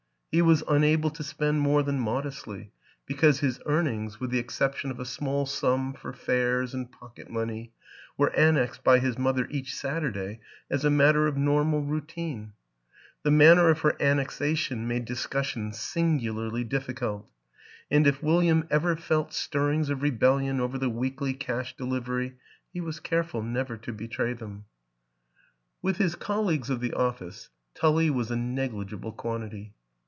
He was unable to spend more than modestly because his earnings, with the ex ception of a small sum for fares and pocket money, were annexed by his mother each Saturday as a matter of normal routine. The manner of her annexation made discussion singularly difficult; and if William ever felt stirrings of rebellion over the weekly cash delivery he was careful never to betray them. WILLIAM AN ENGLISHMAN 3 With his colleagues of the office Tully was a negligible quantity.